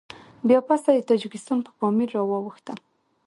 بيا پسته د تاجکستان په پامير راواوښتم.